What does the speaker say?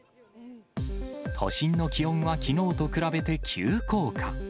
都心の気温はきのうと比べて急降下。